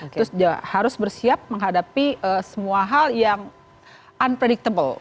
terus harus bersiap menghadapi semua hal yang unpredictable